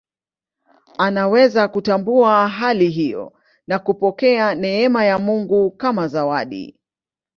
Anaweza kutambua hali hiyo na kupokea neema ya Mungu kama zawadi.